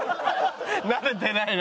慣れてないな。